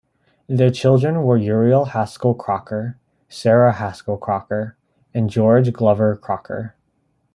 Their children were Uriel Haskell Crocker, Sarah Haskell Crocker, and George Glover Crocker.